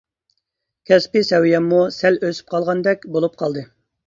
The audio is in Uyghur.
كەسپىي سەۋىيەممۇ سەل ئۆسۈپ قالغاندەك بولۇپ قالدى.